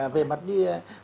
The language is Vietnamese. về mặt như